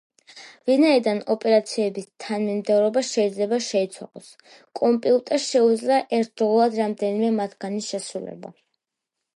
ვინაიდან ოპერაციების თანმიმდევრობა შეიძლება შეიცვალოს, კომპიუტერს შეუძლია ერთდროულად რამდენიმე მათგანის შესრულება.